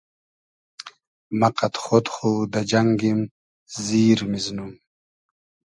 مۂ قئد خۉد خو دۂ جئنگیم زیر میزنوم